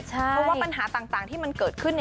เพราะว่าปัญหาต่างที่มันเกิดขึ้น